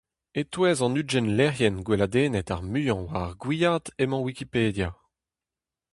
E-touez an ugent lec'hienn gweladennet ar muiañ war ar Gwiad emañ Wikipedia.